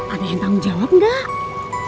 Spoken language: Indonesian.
ada yang tanggung jawab enggak